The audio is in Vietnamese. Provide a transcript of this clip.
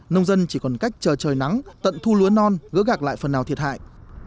nông dân chỉ còn cách chờ trời nắng tận thu lúa non gỡ gạc lại phần nào thiệt hại